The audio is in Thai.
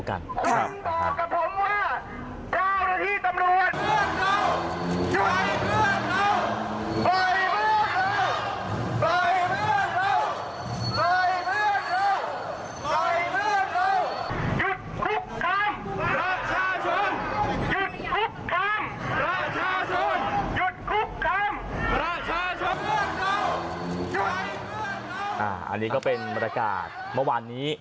อันนี้ก็เป็นบรรยากาศเมื่อวานนี้